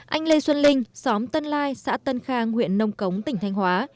anh lê xuân linh xóm tân lai xã tân khang huyện nông cống tỉnh thanh hóa